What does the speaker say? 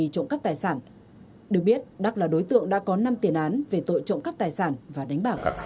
cùng nhiều tăng vật khác